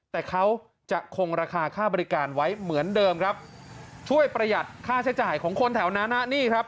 แต่เขาจะคงราคาค่าบริการไว้เหมือนเดิมครับช่วยประหยัดค่าใช้จ่ายของคนแถวนั้นฮะนี่ครับ